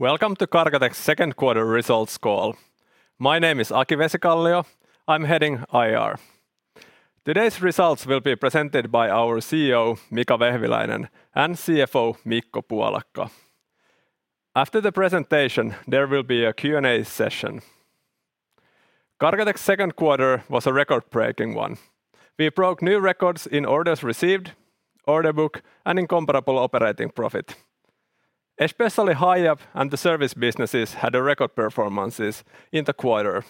Welcome to Cargotec's Second Quarter Results Call. My name is Aki Vesikallio. I'm heading IR. Today's results will be presented by our CEO, Mika Vehviläinen, and CFO, Mikko Puolakka. After the presentation, there will be a Q&A session. Cargotec's second quarter was a record-breaking one. We broke new records in orders received, order book, and in comparable operating profit. Especially Hiab and the service businesses had a record performances in the quarter.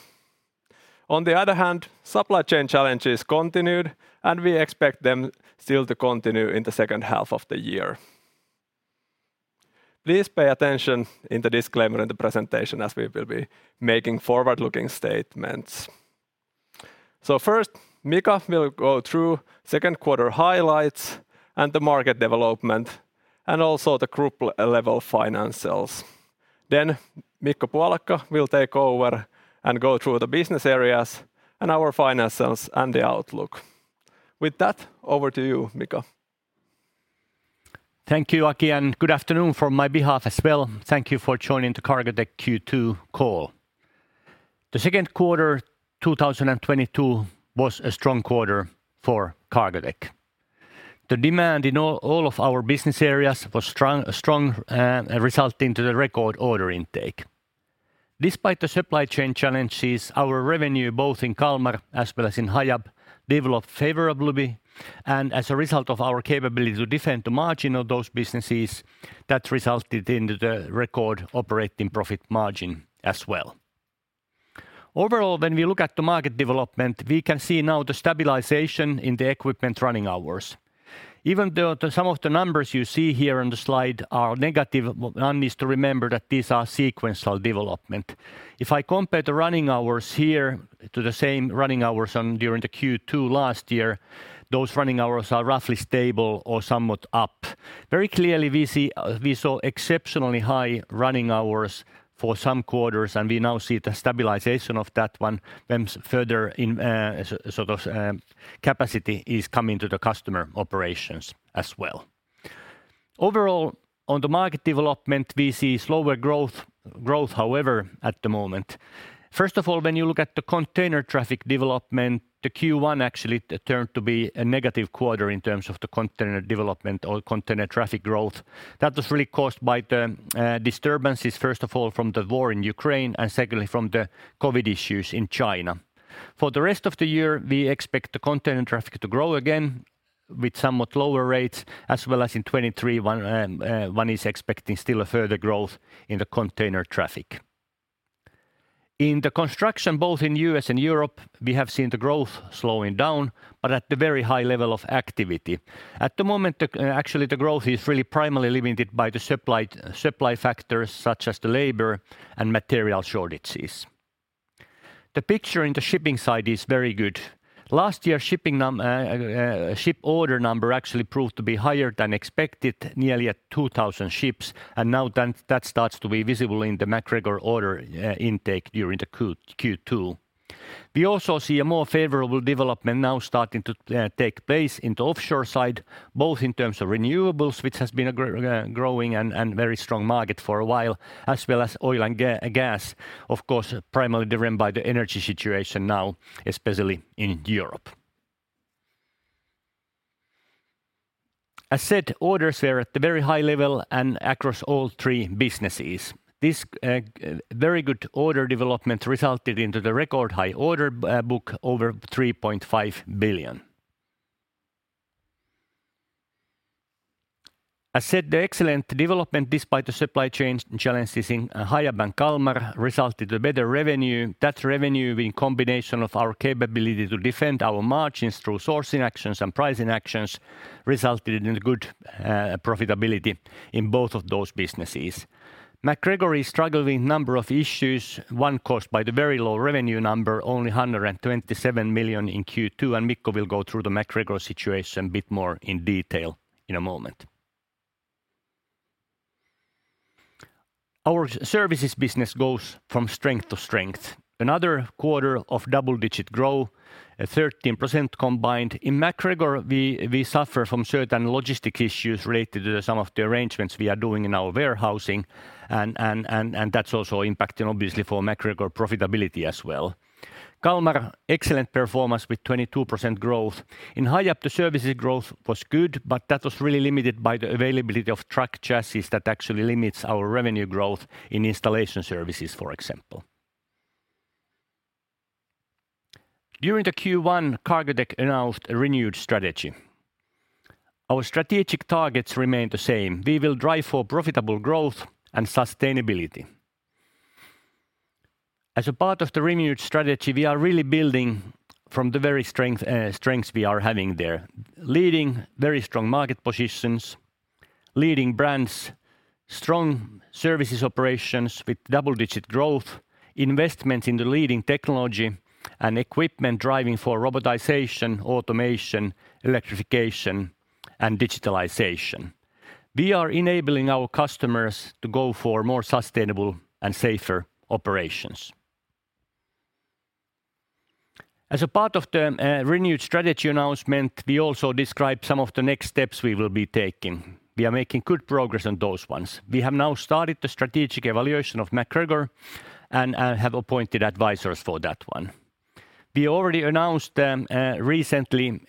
On the other hand, supply chain challenges continued, and we expect them still to continue in the second half of the year. Please pay attention in the disclaimer in the presentation as we will be making forward-looking statements. First, Mika will go through second quarter highlights and the market development and also the group level financials. Then Mikko Puolakka will take over and go through the business areas and our financials and the outlook. With that, over to you, Mika. Thank you, Aki, and good afternoon from my behalf as well. Thank you for joining the Cargotec Q2 call. The second quarter 2022 was a strong quarter for Cargotec. The demand in all of our business areas was strong, resulting to the record order intake. Despite the supply chain challenges, our revenue both in Kalmar as well as in Hiab developed favorably, and as a result of our capability to defend the margin of those businesses, that resulted in the record operating profit margin as well. Overall, when we look at the market development, we can see now the stabilization in the equipment running hours. Even though some of the numbers you see here on the slide are negative, one needs to remember that these are sequential development. If I compare the running hours here to the same running hours during the Q2 last year, those running hours are roughly stable or somewhat up. Very clearly, we saw exceptionally high running hours for some quarters, and we now see the stabilization of that one then further in, so those capacity is coming to the customer operations as well. Overall, on the market development, we see slower growth, however, at the moment. First of all, when you look at the container traffic development, the Q1 actually turned to be a negative quarter in terms of the container development or container traffic growth. That was really caused by the disturbances, first of all, from the war in Ukraine and secondly from the COVID issues in China. For the rest of the year, we expect the container traffic to grow again with somewhat lower rates as well as in 2023 when one is expecting still a further growth in the container traffic. In the construction, both in U.S. and Europe, we have seen the growth slowing down but at the very high level of activity. At the moment, actually the growth is really primarily limited by the supply factors such as the labor and material shortages. The picture in the shipping side is very good. Last year, ship order number actually proved to be higher than expected, nearly at 2,000 ships, and now then that starts to be visible in the MacGregor order intake during the Q2. We also see a more favorable development now starting to take place in the offshore side, both in terms of renewables, which has been a growing and very strong market for a while, as well as oil and gas, of course, primarily driven by the energy situation now, especially in Europe. As said, orders were at the very high level and across all three businesses. This very good order development resulted in the record high order book over 3.5 billion. As said, the excellent development despite the supply chain challenges in Hiab and Kalmar resulted in a better revenue. That revenue in combination with our capability to defend our margins through sourcing actions and pricing actions resulted in a good profitability in both of those businesses. MacGregor is struggling with a number of issues, one caused by the very low revenue number, only 127 million in Q2, and Mikko will go through the MacGregor situation a bit more in detail in a moment. Our services business goes from strength to strength. Another quarter of double-digit growth, a 13% combined. In MacGregor, we suffer from certain logistics issues related to some of the arrangements we are doing in our warehousing and that's also impacting obviously for MacGregor profitability as well. Kalmar, excellent performance with 22% growth. In Hiab, the services growth was good, but that was really limited by the availability of truck chassis that actually limits our revenue growth in installation services, for example. During Q1, Cargotec announced a renewed strategy. Our strategic targets remain the same. We will drive for profitable growth and sustainability. As a part of the renewed strategy, we are really building from the very strengths we are having there. Leading very strong market positions, leading brands, strong services operations with double-digit growth, investment in the leading technology, and equipment driving for robotization, automation, electrification, and digitalization. We are enabling our customers to go for more sustainable and safer operations. As a part of the renewed strategy announcement, we also described some of the next steps we will be taking. We are making good progress on those ones. We have now started the strategic evaluation of MacGregor and have appointed advisors for that one. We already announced recently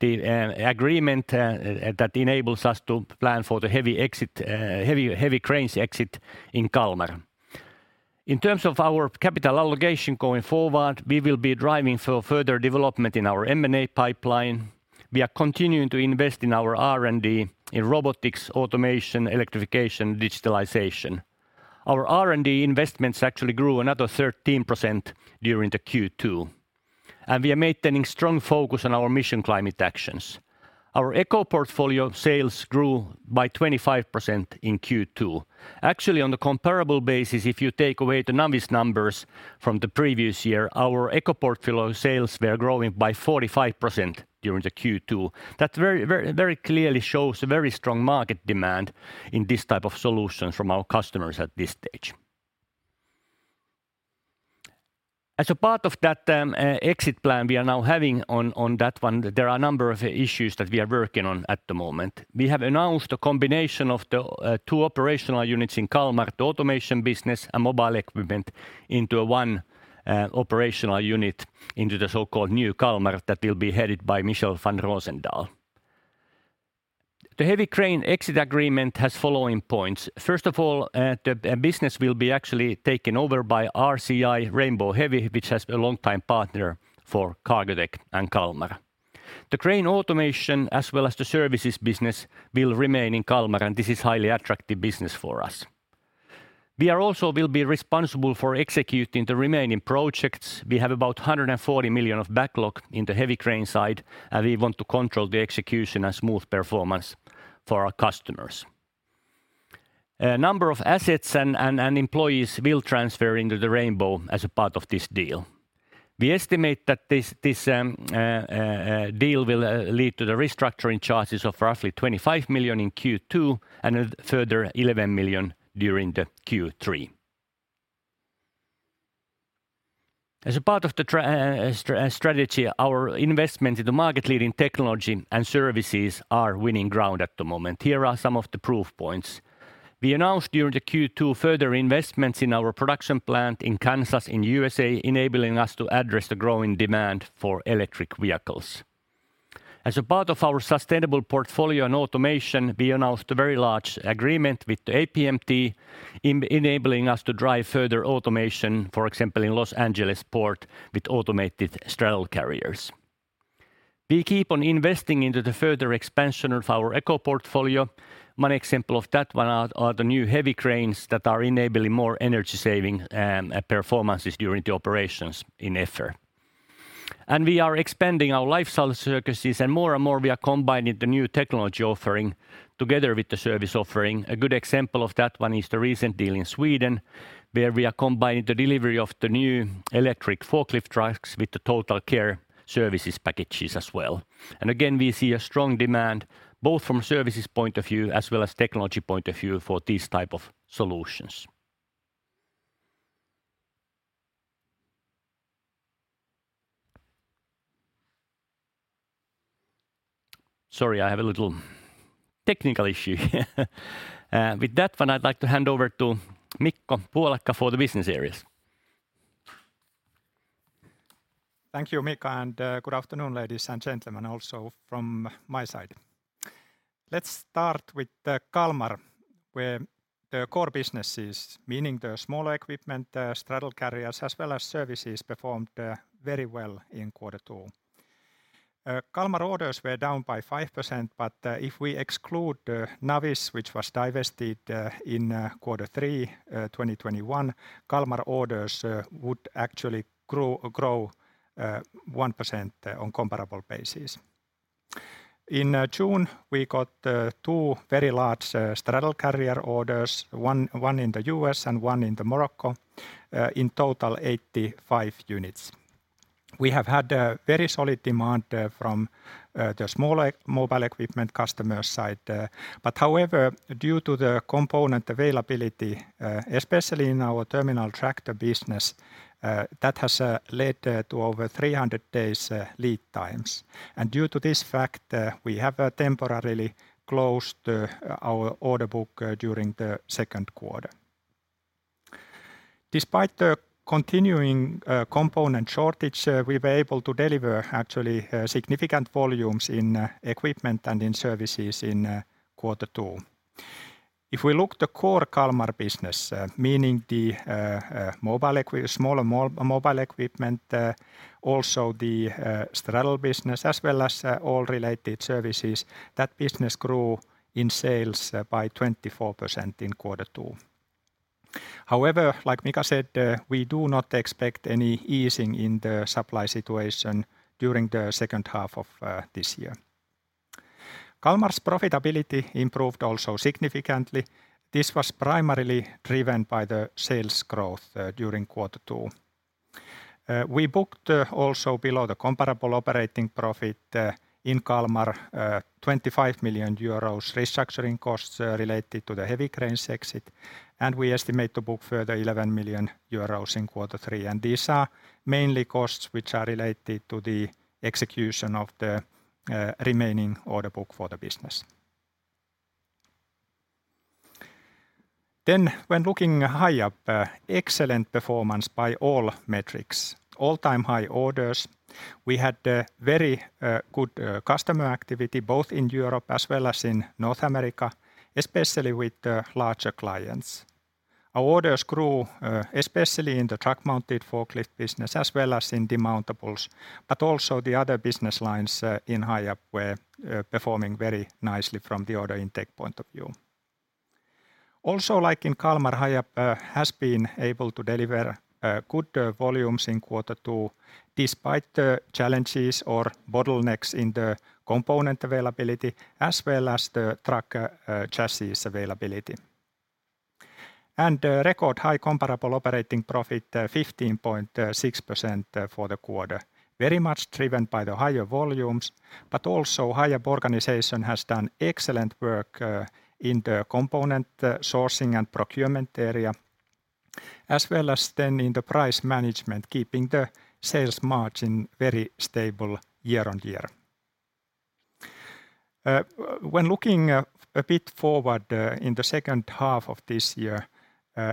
the agreement that enables us to plan for the heavy cranes exit in Kalmar. In terms of our capital allocation going forward, we will be driving for further development in our M&A pipeline. We are continuing to invest in our R&D, in robotics, automation, electrification, digitalization. Our R&D investments actually grew another 13% during the Q2, and we are maintaining strong focus on our mission climate actions. Our eco-portfolio sales grew by 25% in Q2. Actually, on the comparable basis, if you take away the Navis numbers from the previous year, our eco-portfolio sales were growing by 45% during the Q2. That very clearly shows a very strong market demand in this type of solutions from our customers at this stage. As a part of that, exit plan we are now having on that one, there are a number of issues that we are working on at the moment. We have announced a combination of the two operational units in Kalmar, the automation business and mobile equipment, into one operational unit into the so-called new Kalmar that will be headed by Michel van Roozendaal. The heavy crane exit agreement has following points. First of all, the business will be actually taken over by RCI Rainbow Heavy Industries, which has been a long-time partner for Cargotec and Kalmar. The crane automation as well as the services business will remain in Kalmar, and this is highly attractive business for us. We will also be responsible for executing the remaining projects. We have about 140 million of backlog in the heavy crane side, and we want to control the execution and smooth performance for our customers. A number of assets and employees will transfer into the Rainbow as a part of this deal. We estimate that this deal will lead to the restructuring charges of roughly 25 million in Q2 and a further 11 million during the Q3. As a part of the strategy, our investment in the market-leading technology and services are winning ground at the moment. Here are some of the proof points. We announced during the Q2 further investments in our production plant in Kansas, in U.S.A., enabling us to address the growing demand for Electric Vehicles. As a part of our sustainable portfolio and automation, we announced a very large agreement with APM Terminals enabling us to drive further automation, for example, in Los Angeles port with automated straddle carriers. We keep on investing into the further expansion of our eco-portfolio. One example of that one are the new heavy cranes that are enabling more energy saving performances during the operations in port. We are expanding our life cycle services, and more and more we are combining the new technology offering together with the service offering. A good example of that one is the recent deal in Sweden, where we are combining the delivery of the new electric forklift trucks with the total care services packages as well. Again, we see a strong demand both from services point of view as well as technology point of view for these type of solutions. Sorry, I have a little technical issue here. With that one, I'd like to hand over to Mikko Puolakka for the business areas. Thank you, Mika, and good afternoon, ladies and gentlemen, also from my side. Let's start with Kalmar, where the core businesses, meaning the smaller equipment, straddle carriers, as well as services, performed very well in quarter two. Kalmar orders were down by 5%, but if we exclude Navis, which was divested in quarter three 2021, Kalmar orders would actually grow 1% on comparable basis. In June, we got two very large straddle carrier orders, one in the U.S. and one in Morocco, in total 85 units. We have had a very solid demand from the smaller mobile equipment customer side. However, due to the component availability, especially in our terminal tractor business, that has led to over 300 days lead times. Due to this fact, we have temporarily closed our order book during the second quarter. Despite the continuing component shortage, we were able to deliver actually significant volumes in equipment and in services in quarter two. If we look at the core Kalmar business, meaning the smaller mobile equipment, also the straddle business as well as all related services, that business grew in sales by 24% in quarter two. Like Mika said, we do not expect any easing in the supply situation during the second half of this year. Kalmar's profitability improved also significantly. This was primarily driven by the sales growth during quarter two. We booked also below the comparable operating profit in Kalmar 25 million euros restructuring costs related to the heavy cranes exit, and we estimate to book further 11 million euros in quarter three. These are mainly costs which are related to the execution of the remaining order book for the business. When looking at Hiab, excellent performance by all metrics. All-time high orders. We had very good customer activity both in Europe as well as in North America, especially with the larger clients. Our orders grew especially in the Truck-Mounted Forklift business, as well as in demountable. Also the other business lines in Hiab were performing very nicely from the order intake point of view. Also, like in Kalmar, Hiab has been able to deliver good volumes in quarter two, despite the challenges or bottlenecks in the component availability, as well as the truck chassis availability. Record high comparable operating profit 15.6% for the quarter, very much driven by the higher volumes. Also Hiab organization has done excellent work in the component sourcing and procurement area, as well as then in the price management, keeping the sales margin very stable year-over-year. When looking a bit forward in the second half of this year,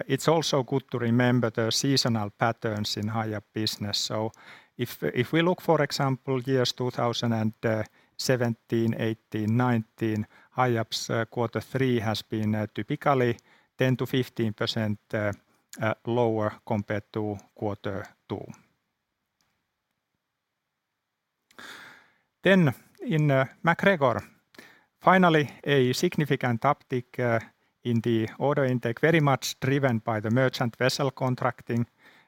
it's also good to remember the seasonal patterns in Hiab business. If we look, for example, years 2017, 2018, 2019, Hiab's quarter three has been typically 10%-15% lower compared to quarter two. In MacGregor, finally a significant uptick in the order intake, very much driven by the merchant vessel contracting.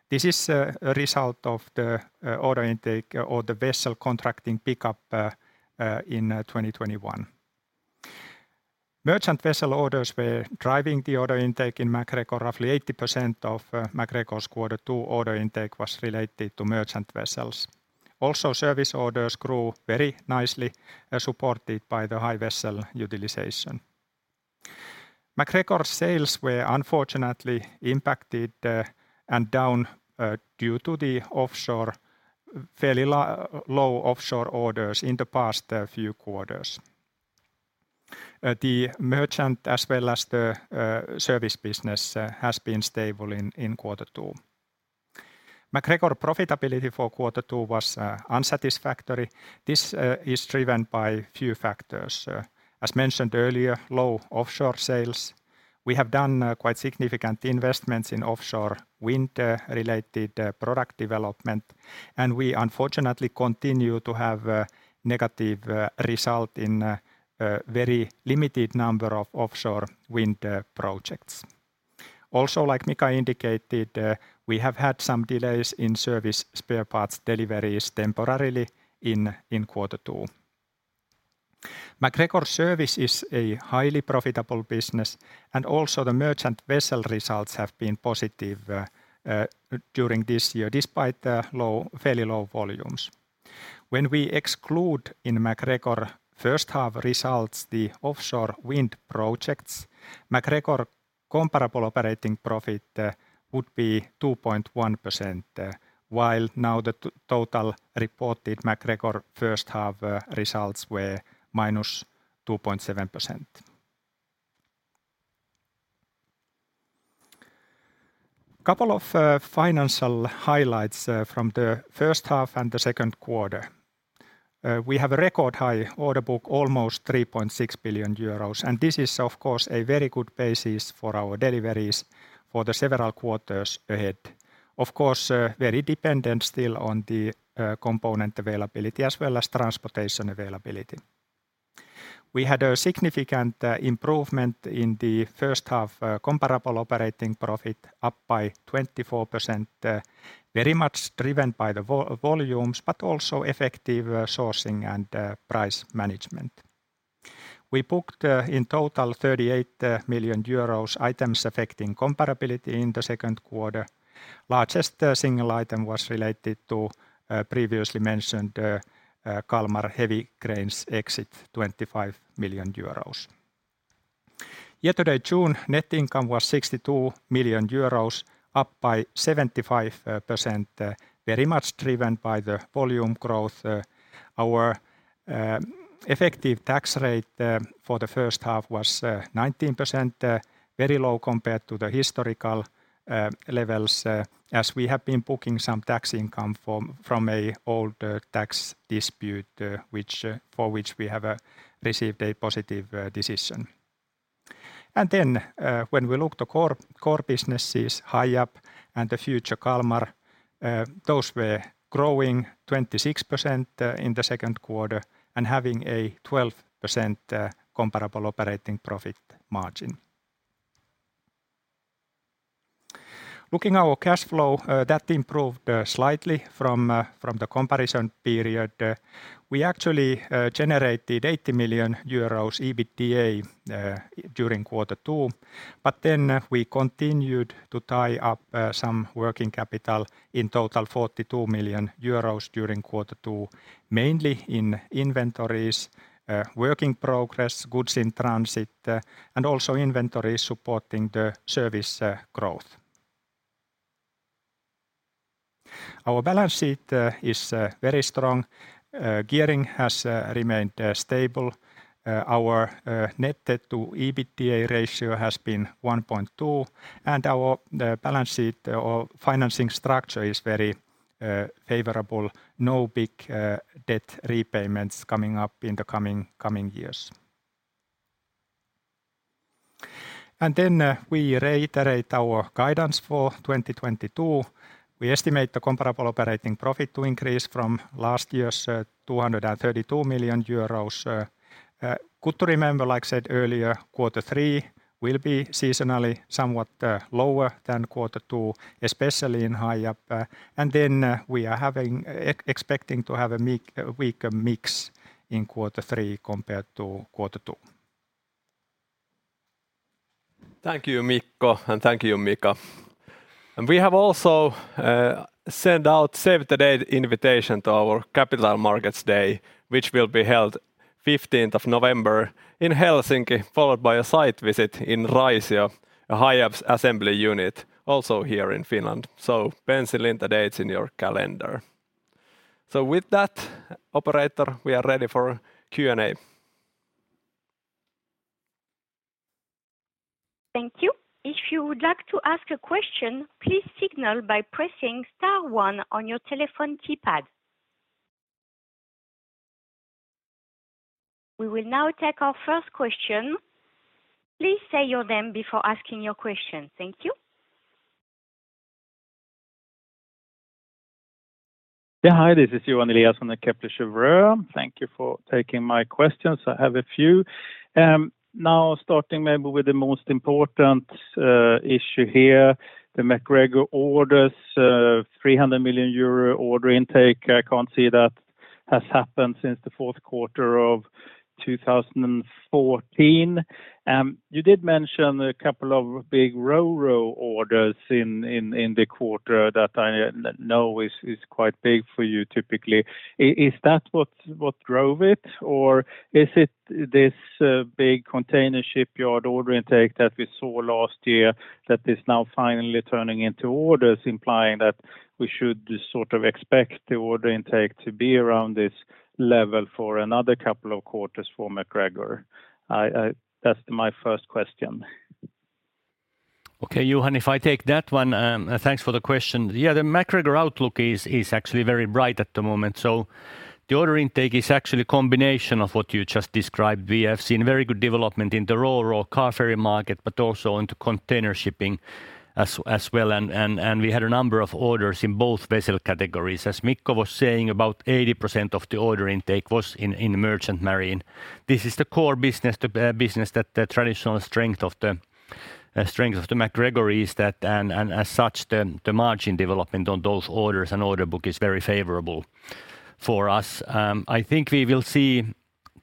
This is a result of the order intake or the vessel contracting pickup in 2021. Merchant vessel orders were driving the order intake in MacGregor. Roughly 80% of MacGregor's quarter two order intake was related to merchant vessels. Also service orders grew very nicely, supported by the high vessel utilization. MacGregor's sales were unfortunately impacted and down due to the offshore—fairly low offshore orders in the past few quarters. The merchant as well as the service business has been stable in quarter two. MacGregor profitability for quarter two was unsatisfactory. This is driven by a few factors. As mentioned earlier, low offshore sales. We have done quite significant investments in offshore wind-related product development, and we unfortunately continue to have a negative result in a very limited number of offshore wind projects. Also, like Mika indicated, we have had some delays in service spare parts deliveries temporarily in quarter two. MacGregor service is a highly profitable business and also the merchant vessel results have been positive during this year, despite the fairly low volumes. When we exclude in MacGregor first half results the offshore wind projects, MacGregor comparable operating profit would be 2.1%, while now the total reported MacGregor first half results were -2.7%. Couple of financial highlights from the first half and the second quarter. We have a record high order book, almost 3.6 billion euros, and this is of course a very good basis for our deliveries for the several quarters ahead. Of course, very dependent still on the component availability as well as transportation availability. We had a significant improvement in the first half comparable operating profit up by 24%, very much driven by the volumes, but also effective sourcing and price management. We booked in total 38 million euros items affecting comparability in the second quarter. Largest single item was related to previously mentioned Kalmar heavy cranes exit 25 million euros. Year-to-date June net income was 62 million euros, up by 75%, very much driven by the volume growth. Our effective tax rate for the first half was 19%, very low compared to the historical levels, as we have been booking some tax income from an old tax dispute, for which we have received a positive decision. When we look to core businesses, Hiab and the future Kalmar, those were growing 26% in the second quarter and having a 12% comparable operating profit margin. Looking at our cash flow, that improved slightly from the comparison period. We actually generated 80 million euros EBITDA during quarter two, but then we continued to tie up some working capital in total 42 million euros during quarter two, mainly in inventories, work in progress, goods in transit, and also inventories supporting the service growth. Our balance sheet is very strong. Gearing has remained stable. Our net debt to EBITDA ratio has been 1.2, and our balance sheet or financing structure is very favorable. No big debt repayments coming up in the coming years. We reiterate our guidance for 2022. We estimate the comparable operating profit to increase from last year's 232 million euros. Good to remember, like I said earlier, quarter three will be seasonally somewhat lower than quarter two, especially in Hiab. We are expecting to have a weaker mix in quarter three compared to quarter two. Thank you, Mikko, and thank you, Mika. We have also sent out save-the-date invitation to our Capital Markets Day, which will be held 15th of November in Helsinki, followed by a site visit in Raisio, a Hiab's assembly unit also here in Finland. Pencil in the dates in your calendar. With that, operator, we are ready for Q&A. Thank you. If you would like to ask a question, please signal by pressing star one on your telephone keypad. We will now take our first question. Please say your name before asking your question. Thank you. Yeah, hi, this is Johan Eliason from Kepler Cheuvreux. Thank you for taking my questions. I have a few. Now starting maybe with the most important issue here, the MacGregor orders, 300 million euro order intake. I can't see that has happened since the fourth quarter of 2014. You did mention a couple of big RoRo orders in the quarter that I know is quite big for you typically. Is that what drove it or is it this big container shipyard order intake that we saw last year that is now finally turning into orders implying that we should sort of expect the order intake to be around this level for another couple of quarters for MacGregor? That's my first question. Okay, Johan, if I take that one, thanks for the question. Yeah, the MacGregor outlook is actually very bright at the moment. The order intake is actually a combination of what you just described. We have seen very good development in the RoRo car ferry market but also into container shipping as well and we had a number of orders in both vessel categories. As Mikko was saying, about 80% of the order intake was in merchant marine. This is the core business, the business that the traditional strength of the MacGregor is that and as such the margin development on those orders and order book is very favorable for us. I think we will see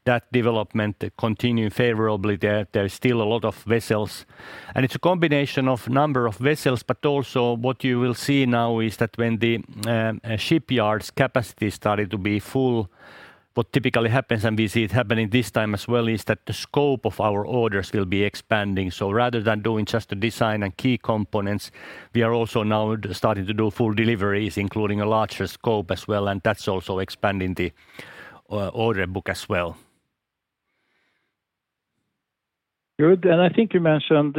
that development continue favorably. There is still a lot of vessels. It's a combination of number of vessels, but also what you will see now is that when the shipyards capacity started to be full, what typically happens, and we see it happening this time as well, is that the scope of our orders will be expanding. Rather than doing just the design and key components, we are also now starting to do full deliveries, including a larger scope as well, and that's also expanding the order book as well. Good. I think you mentioned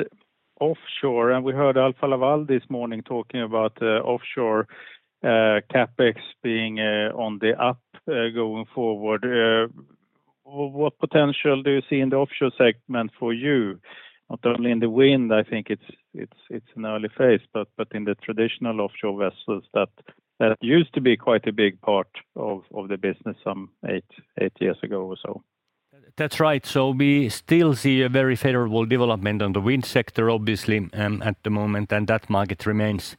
offshore, and we heard Alfa Laval this morning talking about offshore CapEx being on the up going forward. What potential do you see in the offshore segment for you? Not only in the wind, I think it's an early phase, but in the traditional offshore vessels that used to be quite a big part of the business some eight years ago or so. That's right. We still see a very favorable development on the wind sector obviously, at the moment, and that market remains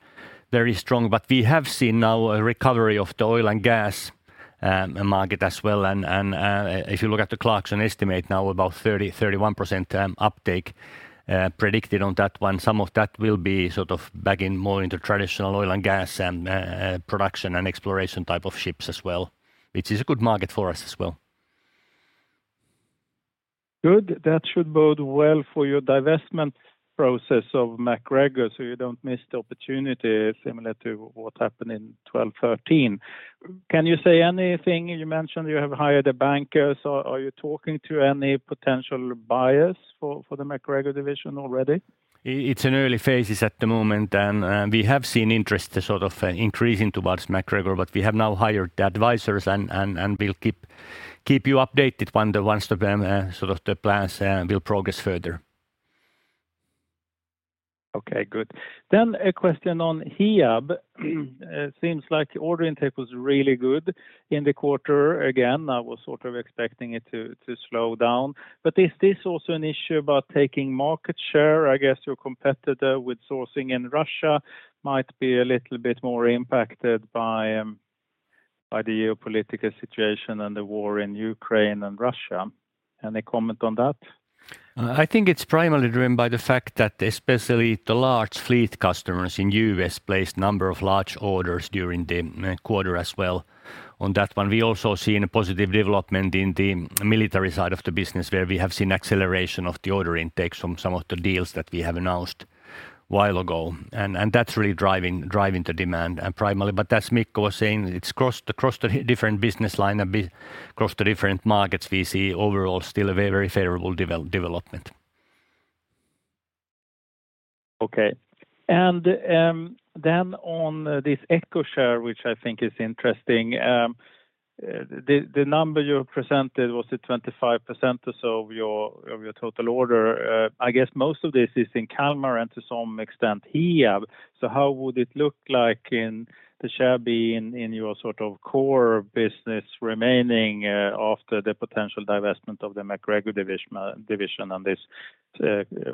very strong. We have seen now a recovery of the oil and gas market as well. If you look at the blocks and estimate now about 31% uptake predicted on that one. Some of that will be sort of back in more into traditional oil and gas and production and exploration type of ships as well, which is a good market for us as well. Good. That should bode well for your divestment process of MacGregor, so you don't miss the opportunity similar to what happened in 2013. Can you say anything? You mentioned you have hired the bankers. Are you talking to any potential buyers for the MacGregor division already? It's in early phases at the moment, and we have seen interest sort of increasing towards MacGregor. We have now hired the advisors and we'll keep you updated once the sort of plans will progress further. Okay, good. A question on Hiab. It seems like order intake was really good in the quarter. Again, I was sort of expecting it to slow down. Is this also an issue about taking market share? I guess your competitor with sourcing in Russia might be a little bit more impacted by the geopolitical situation and the war in Ukraine and Russia. And they comment on that? I think it's primarily driven by the fact that especially the large fleet customers in U.S. placed a number of large orders during the quarter as well. On that one, we also see a positive development in the military side of the business where we have seen acceleration of the order intake from some of the deals that we have announced a while ago. That's really driving the demand and primarily. As Mikko was saying, it's across the different business lines across the different markets, we see overall still a very favorable development. Okay. On this eco share, which I think is interesting, the number you presented was it 25% or so of your total order. I guess most of this is in Kalmar and to some extent Hiab. How would it look like in the share being in your sort of core business remaining, after the potential divestment of the MacGregor division and this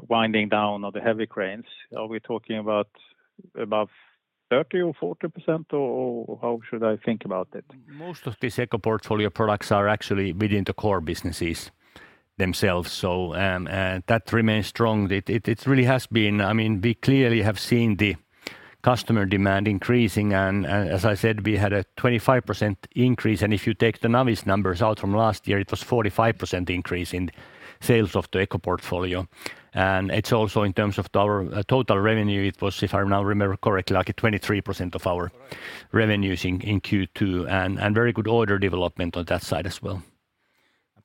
winding down of the heavy cranes? Are we talking about above 30% or 40%, or how should I think about it? Most of this eco portfolio products are actually within the core businesses themselves, so, that remains strong. It really has been I mean, we clearly have seen the customer demand increasing and as I said, we had a 25% increase. If you take the Navis numbers out from last year, it was 45% increase in sales of the eco portfolio. It's also in terms of our total revenue, it was, if I now remember correctly, like a 23% of our revenues in Q2, and very good order development on that side as well.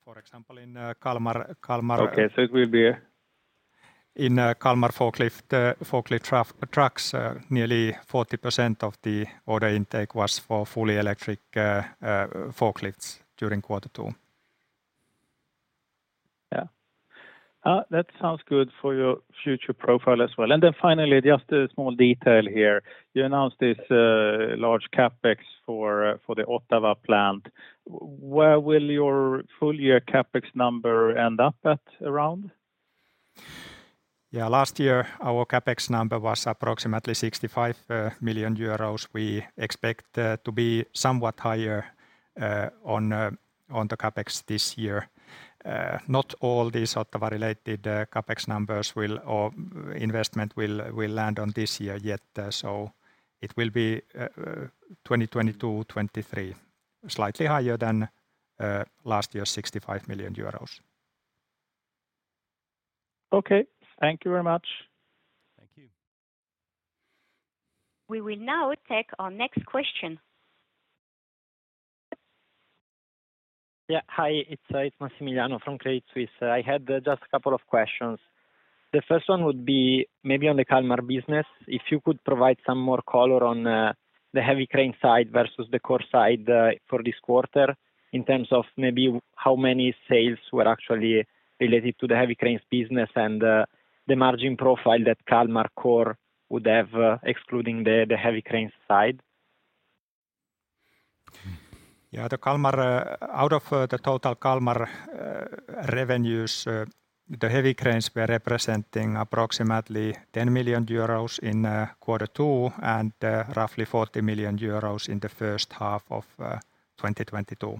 For example, in Kalmar. Okay. It will be. In Kalmar forklift trucks, nearly 40% of the order intake was for fully electric forklifts during quarter two. Yeah. That sounds good for your future profile as well. Finally, just a small detail here. You announced this large CapEx for the Ottawa plant. Where will your full year CapEx number end up at around? Yeah, last year, our CapEx number was approximately 65 million euros. We expect to be somewhat higher on the CapEx this year. Not all these Ottawa related CapEx numbers or investments will land this year yet. It will be 2020-2023. Slightly higher than last year's 65 million euros. Okay. Thank you very much. Thank you. We will now take our next question. Yeah, hi, it's Massimiliano from Credit Suisse. I had just a couple of questions. The first one would be maybe on the Kalmar business. If you could provide some more color on the heavy crane side versus the core side for this quarter in terms of maybe how many sales were actually related to the heavy cranes business and the margin profile that Kalmar Core would have excluding the heavy cranes side. The Kalmar, out of the total Kalmar revenues, the heavy cranes were representing approximately 10 million euros in quarter two and roughly 40 million euros in the first half of 2022.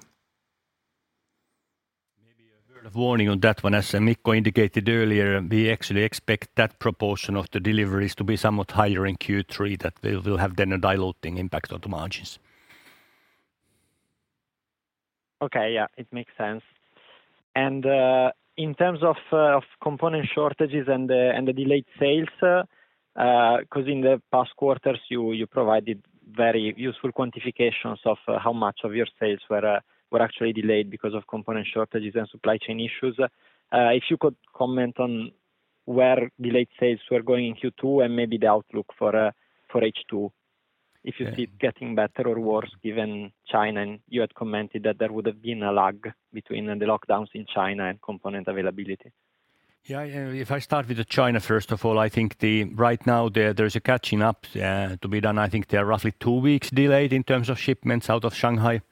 Maybe a word of warning on that one. As Mikko indicated earlier, we actually expect that proportion of the deliveries to be somewhat higher in Q3, that they will have then a diluting impact on the margins. Okay. Yeah, it makes sense. In terms of component shortages and the delayed sales, because in the past quarters you provided very useful quantifications of how much of your sales were actually delayed because of component shortages and supply chain issues. If you could comment on where delayed sales were going in Q2 and maybe the outlook for H2. If you see it getting better or worse given China, and you had commented that there would have been a lag between the lockdowns in China and component availability. Yeah. If I start with China, first of all, I think. Right now there is a catching up to be done. I think they are roughly two weeks delayed in terms of shipments out of Shanghai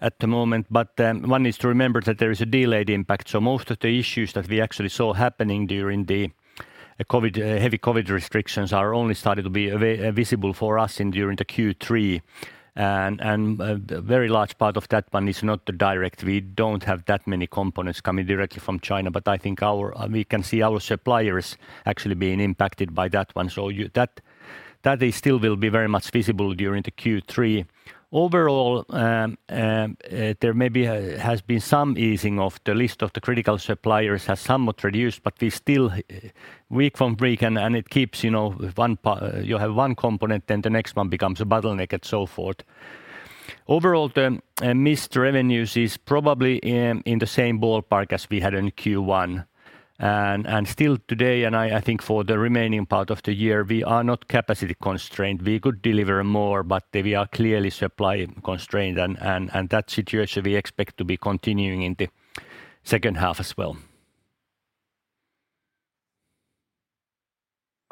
at the moment. One is to remember that there is a delayed impact. Most of the issues that we actually saw happening during the COVID, heavy COVID restrictions are only starting to be available for us during the Q3. A very large part of that one is not direct. We don't have that many components coming directly from China, but I think we can see our suppliers actually being impacted by that one. That will still be very much visible during the Q3. Overall, there has been some easing of the list of the critical suppliers, which has somewhat reduced, but we still have breaks and it keeps, you know, you have one component, then the next one becomes a bottleneck and so forth. Overall, the missed revenues is probably in the same ballpark as we had in Q1. Still today, I think for the remaining part of the year, we are not capacity constrained. We could deliver more, but then we are clearly supply constrained and that situation we expect to be continuing in the second half as well.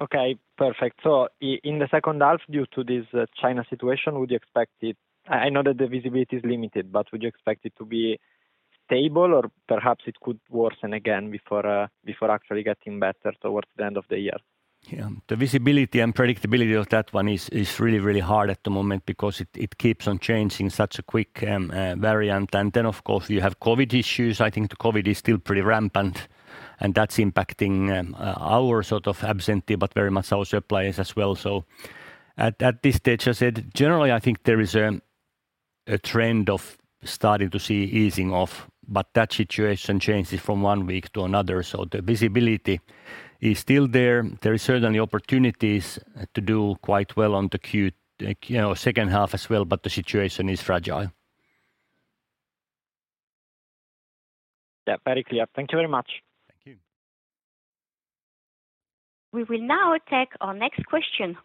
Okay, perfect. In the second half due to this China situation, would you expect it? I know that the visibility is limited, but would you expect it to be stable or perhaps it could worsen again before actually getting better towards the end of the year? Yeah. The visibility and predictability of that one is really hard at the moment because it keeps on changing such a quick variant. Then, of course, you have Covid issues. I think the Covid is still pretty rampant, and that's impacting our sort of absenteeism, but very much our suppliers as well. At this stage, as I said, generally, I think there is a trend of starting to see easing off, but that situation changes from one week to another, so the visibility is still there. There is certainly opportunities to do quite well on the, you know, second half as well, but the situation is fragile. Yeah, very clear. Thank you very much. Thank you. We will now take our next question.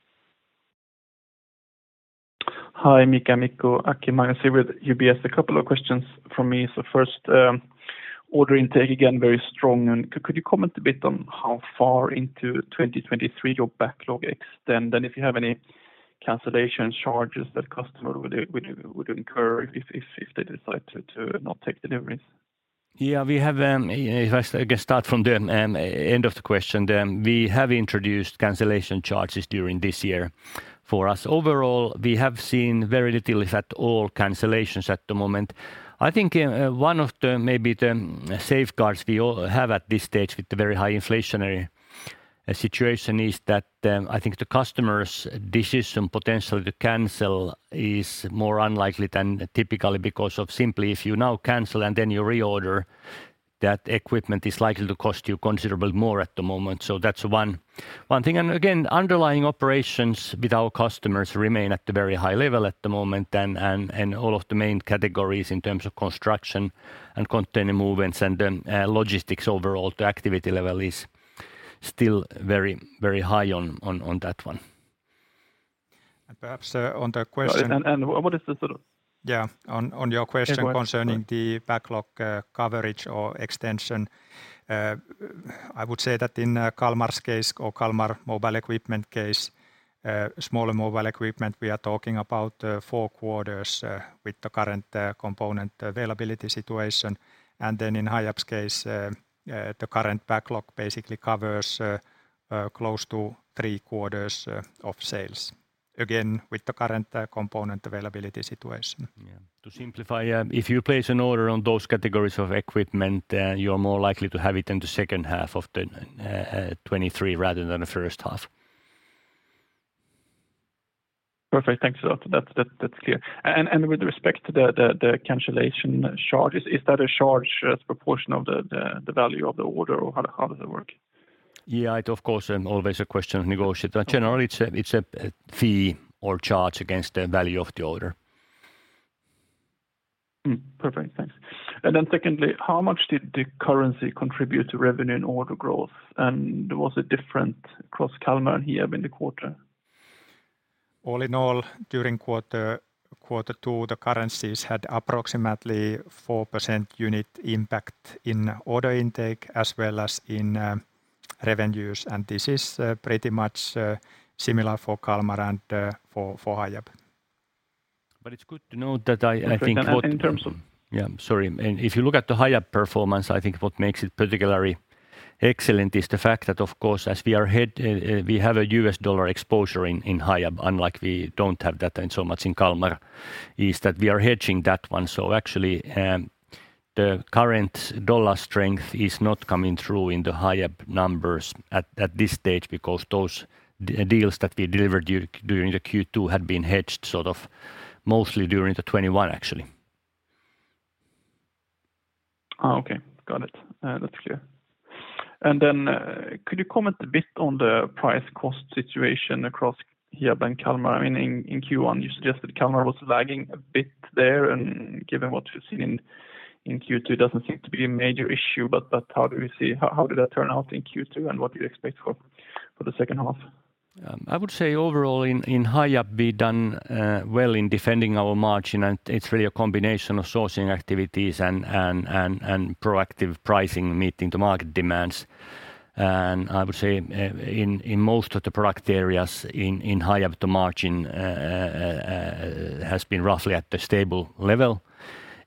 Hi, Mika, Mikko, Aki, Magnus with UBS. A couple of questions from me. First, order intake again, very strong. Could you comment a bit on how far into 2023 your backlog extend? If you have any cancellation charges that customer would incur if they decide to not take deliveries? We have, if I guess, start from the end of the question, then we have introduced cancellation charges during this year. For us overall, we have seen very little, if at all, cancellations at the moment. I think, one of the, maybe the safeguards we all have at this stage with the very high inflationary situation is that, I think the customer's decision potentially to cancel is more unlikely than typically because of simply if you now cancel and then you reorder, that equipment is likely to cost you considerably more at the moment. That's one thing. Again, underlying operations with our customers remain at a very high level at the moment and all of the main categories in terms of construction and container movements and logistics overall, the activity level is still very, very high on that one. Perhaps on the question. What is the sort of? Yeah. On your question. Sorry Concerning the backlog coverage or extension, I would say that in Kalmar's case or Kalmar mobile equipment case, smaller mobile equipment, we are talking about four quarters with the current component availability situation. Then in Hiab's case, the current backlog basically covers close to three quarters of sales, again, with the current component availability situation. Yeah. To simplify, if you place an order on those categories of equipment, you are more likely to have it in the second half of 2023 rather than the first half. Perfect. Thanks. That's clear. With respect to the cancellation charges, is that a charge as proportion of the value of the order or how does it work? Yeah, it's of course always a question of negotiation. Generally, it's a fee or charge against the value of the order. Perfect. Thanks. Secondly, how much did the currency contribute to revenue and order growth? Was it different across Kalmar and Hiab in the quarter? All in all, during quarter two, the currencies had approximately 4% unit impact in order intake as well as in revenues. This is pretty much similar for Kalmar and for Hiab. It's good to note that I think. In terms of- Yeah, sorry. If you look at the Hiab performance, I think what makes it particularly excellent is the fact that, of course, as we are hedging, we have a U.S. dollar exposure in Hiab, unlike we don't have that in so much in Kalmar, is that we are hedging that one. Actually, the current dollar strength is not coming through in the Hiab numbers at this stage because those deals that we delivered during the Q2 had been hedged sort of mostly during 2021, actually. Oh, okay. Got it. That's clear. Could you comment a bit on the price cost situation across Hiab and Kalmar? I mean, in Q1, you suggested Kalmar was lagging a bit there, and given what you've seen in Q2 doesn't seem to be a major issue. But how did that turn out in Q2, and what do you expect for the second half? I would say overall in Hiab, we done well in defending our margin, and it's really a combination of sourcing activities and proactive pricing meeting the market demands. I would say in most of the product areas in Hiab, the margin has been roughly at the stable level.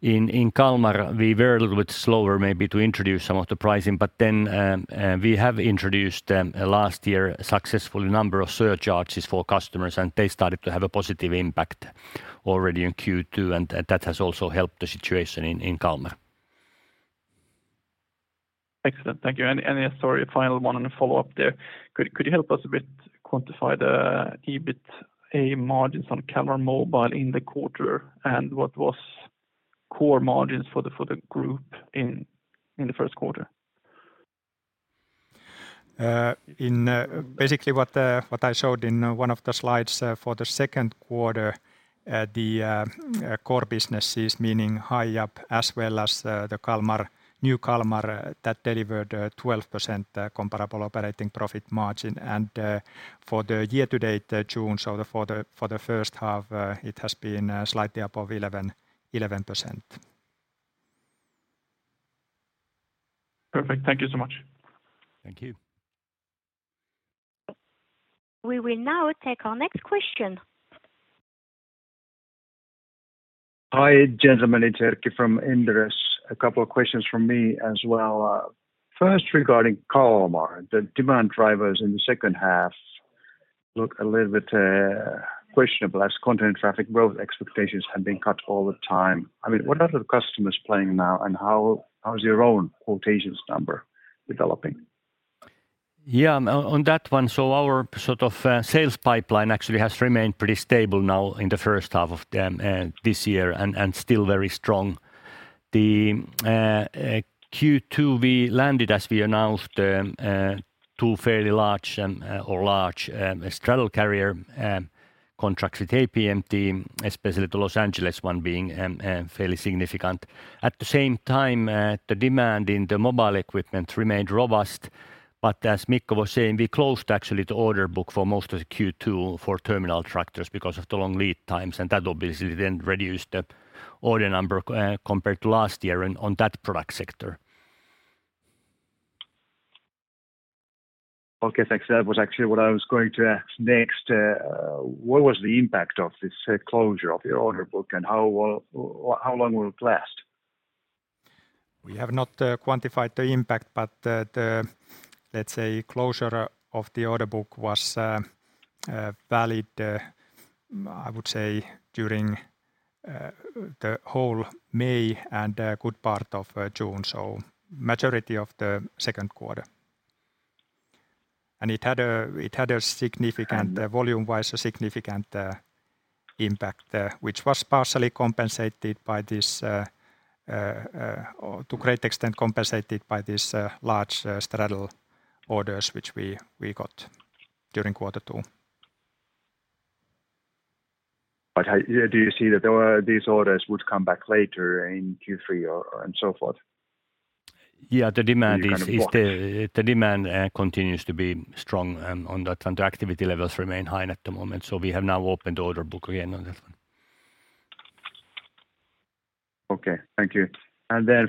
In Kalmar, we were a little bit slower maybe to introduce some of the pricing, but then we have introduced last year successfully a number of surcharges for customers, and they started to have a positive impact already in Q2, and that has also helped the situation in Kalmar. Excellent. Thank you. Yeah, sorry, final one and a follow-up there. Could you help us a bit quantify the EBITDA margins on Kalmar Mobile in the quarter and what was core margins for the group in the first quarter? Basically what I showed in one of the slides for the second quarter, the core businesses, meaning Hiab as well as the new Kalmar, that delivered 12% comparable operating profit margin. For the year to date June, so for the first half, it has been slightly up to 11%. Perfect. Thank you so much. Thank you. We will now take our next question. Hi, gentlemen. It's Erkki from Inderes. A couple of questions from me as well. First regarding Kalmar. The demand drivers in the second half look a little bit questionable as container traffic growth expectations have been cut all the time. I mean, what are the customers playing now, and how is your own quotations number developing? Yeah. On that one, our sort of sales pipeline actually has remained pretty stable now in the first half of this year and still very strong. The Q2, we landed, as we announced, two fairly large straddle carrier contracts with APMT, especially the Los Angeles one being fairly significant. At the same time, the demand in the mobile equipment remained robust. As Mikko was saying, we closed actually the order book for most of the Q2 for terminal tractors because of the long lead times, and that obviously then reduced the order number compared to last year on that product sector. Okay. Thanks. That was actually what I was going to ask next. What was the impact of this closure of your order book and how long will it last? We have not quantified the impact, but the let's say closure of the order book was valid, I would say, during the whole May and a good part of June, so majority of the second quarter. It had a significant. And- Volume-wise, a significant impact, which was partially compensated or to a great extent compensated by these large straddle orders which we got during quarter two. Do you see that these orders would come back later in Q3 or and so forth? Yeah. The demand is. You kind of want- The demand continues to be strong on that and the activity levels remain high at the moment, so we have now opened the order book again on this one. Okay. Thank you.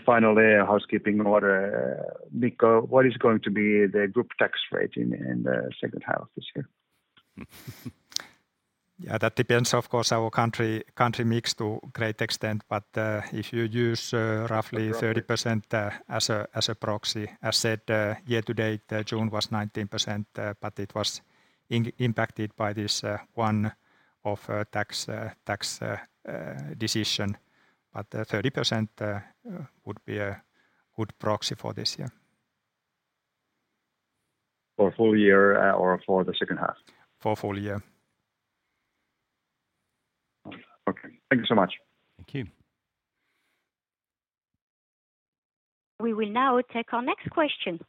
Finally, a housekeeping order. Mikko, what is going to be the group tax rate in the second half this year? Yeah, that depends, of course, our country mix to a great extent, but if you use Approximately Roughly 30%, as a proxy, as said, year to date June was 19%, but it was impacted by this one-off tax decision. 30% would be a good proxy for this year. For full year, or for the second half? For full year. Okay. Thank you so much. Thank you. We will now take our next question.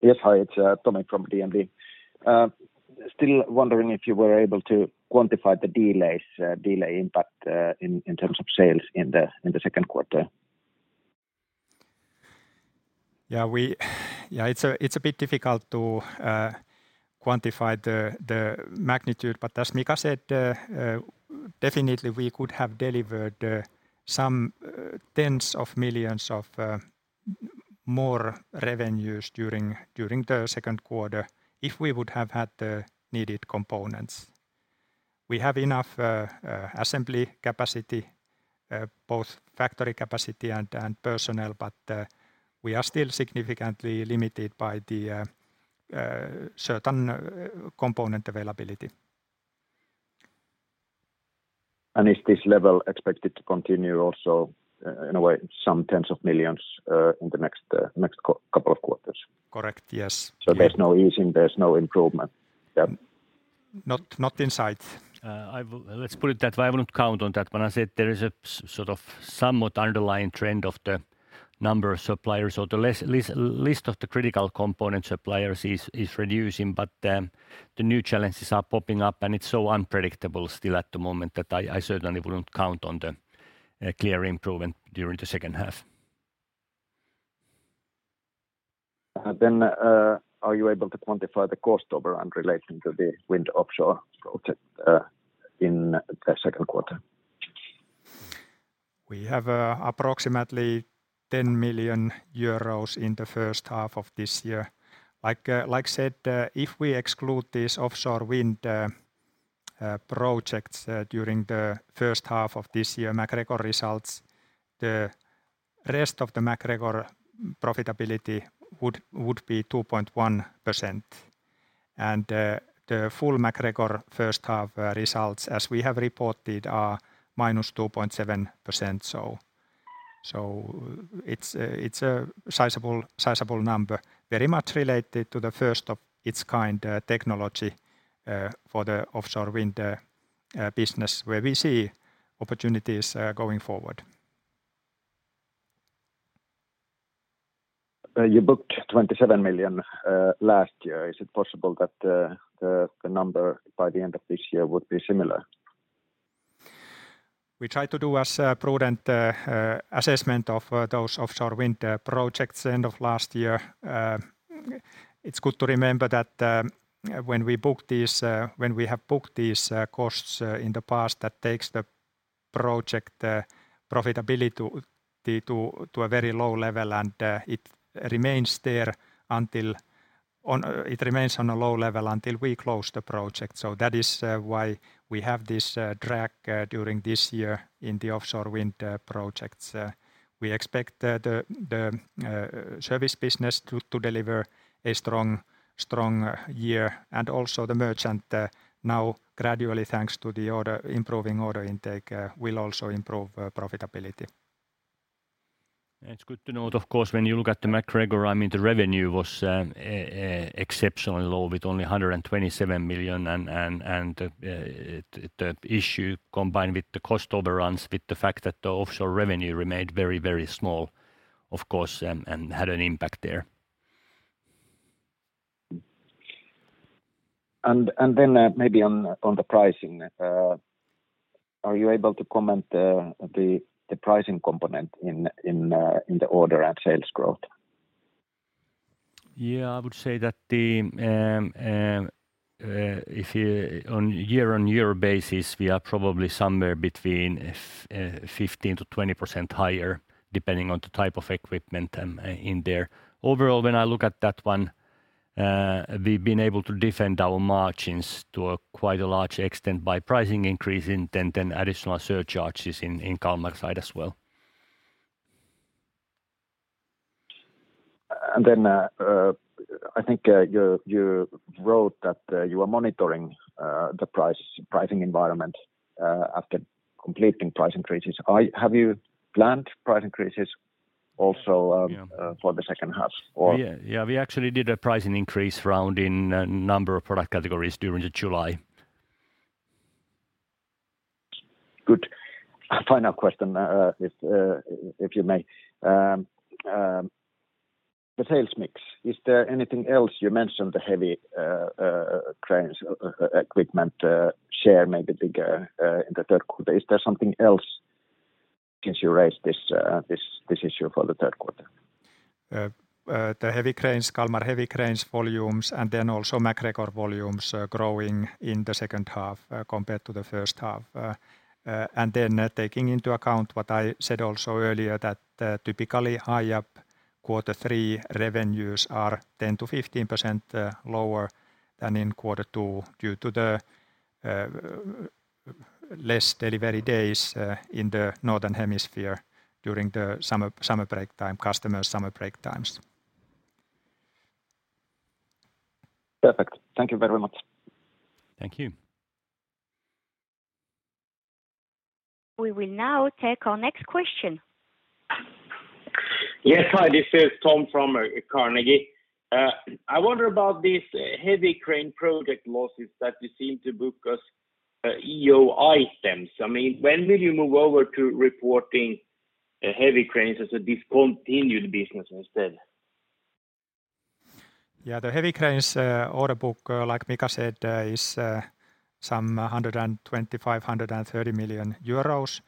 Yes. Hi. It's Tomi from DNB. Still wondering if you were able to quantify the delays, delay impact, in terms of sales in the second quarter. It's a bit difficult to quantify the magnitude, but as Mika said, definitely we could have delivered some tens of millions of euros more in revenues during the second quarter if we would have had the needed components. We have enough assembly capacity, both factory capacity and personnel, but we are still significantly limited by the certain component availability. Is this level expected to continue also, in a way, some tens of millions, in the next couple of quarters? Correct. Yes. There's no easing, there's no improvement then? Not in sight. Let's put it that way. I wouldn't count on that one. I said there is a sort of somewhat underlying trend of the number of suppliers or the list of the critical component suppliers is reducing, but the new challenges are popping up and it's so unpredictable still at the moment that I certainly wouldn't count on the clear improvement during the second half. Are you able to quantify the cost over and relating to the wind offshore project in the second quarter? We have approximately 10 million euros in the first half of this year. Like I said, if we exclude this offshore wind projects during the first half of this year MacGregor results, the rest of the MacGregor profitability would be 2.1%. The full MacGregor first half results as we have reported are -2.7%. It's a sizable number, very much related to the first of its kind technology for the offshore wind business, where we see opportunities going forward. You booked 27 million last year. Is it possible that the number by the end of this year would be similar? We try to do a prudent assessment of those offshore wind projects end of last year. It's good to remember that when we have booked these costs in the past, that takes the project profitability to a very low level and it remains on a low level until we close the project. That is why we have this drag during this year in the offshore wind projects. We expect the service business to deliver a strong year. Also the merchant now gradually, thanks to the improving order intake, will also improve profitability. It's good to note, of course, when you look at the MacGregor, I mean, the revenue was exceptionally low with only 127 million. The issue combined with the cost overruns, with the fact that the offshore revenue remained very small, of course, and had an impact there. Maybe on the pricing, are you able to comment the pricing component in the order and sales growth? Yeah, I would say that on year-over-year basis, we are probably somewhere between 15%-20% higher, depending on the type of equipment in there. Overall, when I look at that one, we've been able to defend our margins to a quite large extent by pricing increases and additional surcharges in Kalmar side as well. I think you wrote that you are monitoring the pricing environment after completing price increases. Have you planned price increases also? Yeah For the second half? Yeah. Yeah, we actually did a pricing increase round in a number of product categories during July. Good. A final question, if I may. The sales mix, is there anything else? You mentioned the heavy cranes equipment share maybe bigger in the third quarter. Is there something else since you raised this issue for the third quarter? The heavy cranes, Kalmar heavy cranes volumes and then also MacGregor volumes are growing in the second half, compared to the first half. Taking into account what I said also earlier, that typically Hiab quarter three revenues are 10%-15% lower than in quarter two due to the less delivery days in the northern hemisphere during the summer break time, customer summer break times. Perfect. Thank you very much. Thank you. We will now take our next question. Yes. Hi, this is Tom from Carnegie. I wonder about this heavy crane project losses that you seem to book as EU items. I mean, when will you move over to reporting heavy cranes as a discontinued business instead? Yeah. The heavy cranes order book, like Mika said, is some 125 million-130 million euros.